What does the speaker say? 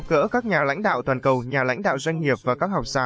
việc gặp gỡ các nhà lãnh đạo toàn cầu nhà lãnh đạo doanh nghiệp và các học giả